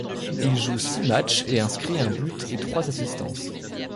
Il joue six matchs et inscrit un but et trois assistances.